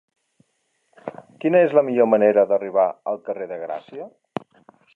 Quina és la millor manera d'arribar al carrer de Gràcia?